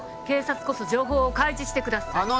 警察こそ情報を開示してください